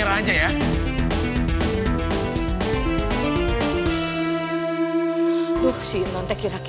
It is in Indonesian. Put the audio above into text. ada anak black obras